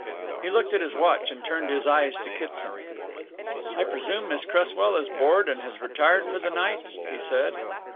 He looked at his watch and turned his eyes to Kitson. "I presume Miss Cresswell is bored and has retired for the night," he said.